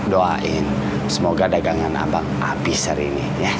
doain semoga dagangan abang abis hari ini ya